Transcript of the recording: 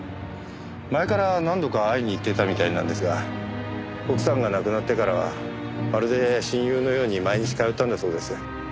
前から何度か会いに行ってたみたいなんですが奥さんが亡くなってからはまるで親友のように毎日通ったんだそうです。